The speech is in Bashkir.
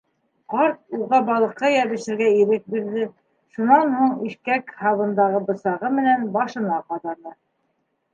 Ҡарт уға балыҡҡа йәбешергә ирек бирҙе, шунан һуң ишкәк һабындағы бысағы менән башына ҡаҙаны.